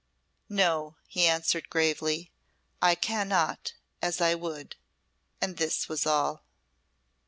"No," he answered gravely, "I cannot, as I would." And this was all.